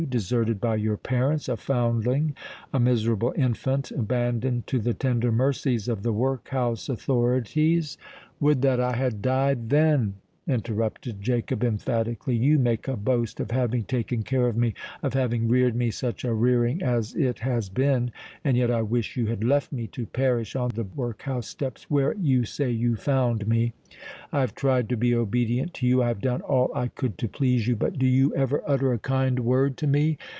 Deserted by your parents—a foundling—a miserable infant, abandoned to the tender mercies of the workhouse authorities——" "Would that I had died then!" interrupted Jacob emphatically. "You make a boast of having taken care of me—of having reared me—such a rearing as it has been!—and yet I wish you had left me to perish on the workhouse steps where, you say, you found me. I have tried to be obedient to you—I have done all I could to please you; but do you ever utter a kind word to me?